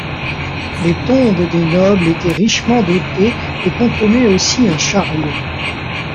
Les tombes des nobles étaient richement dotées et contenait aussi un chariot.